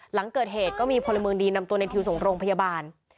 หลังเกิดเหตุก็มีพลเมืองดีนำตัวในทิวส่งโรงพยาบาล